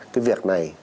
cái việc này